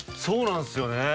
そうなんですよね。